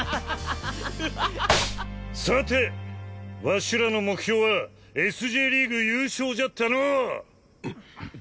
さてわしらの目標はＳ／Ｊリーグ優勝じゃったのう？